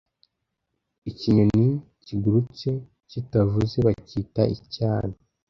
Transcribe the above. ikinyoni kigurutse kitavuze bakita icyana